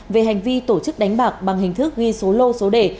về hành vi tổ chức đánh bạc bằng hình thức ghi số lô số đề